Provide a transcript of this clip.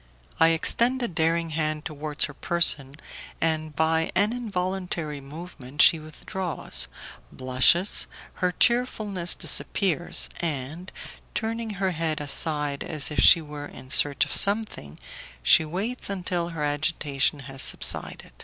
I extend a daring hand towards her person, and by an involuntary movement she withdraws, blushes, her cheerfulness disappears, and, turning her head aside as if she were in search of something, she waits until her agitation has subsided.